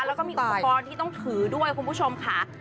แล้วก็มีอุปกรณ์ที่ต้องถือด้วยคุณผู้ชมค่ะ